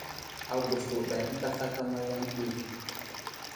Agùs wùdày ənta slakama yaŋ ɗi.